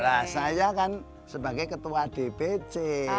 lah saya kan sebagai ketua dpc